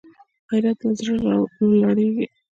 غیرت له زړه راولاړېږي